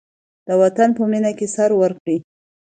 د وطن په مینه کې سر ورکړئ.